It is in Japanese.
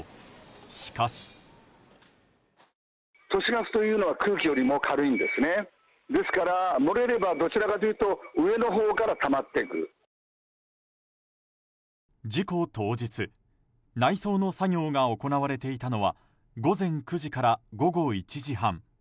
しかし。事故当日、内装の作業が行われていたのは午前９時から午後１時半。